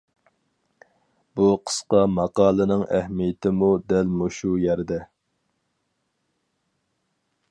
بۇ قىسقا ماقالىنىڭ ئەھمىيىتىمۇ دەل مۇشۇ يەردە.